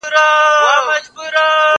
اوبه د زهشوم لخوا څښل کېږي،